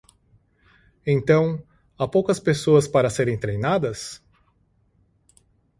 Então, há poucas pessoas para serem treinadas?